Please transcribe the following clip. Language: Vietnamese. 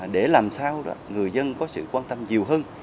để làm sao người dân có sự quan tâm nhiều hơn